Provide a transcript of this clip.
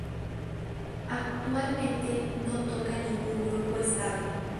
Actualmente no toca en ningún grupo estable.